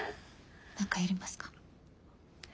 何かやりますか？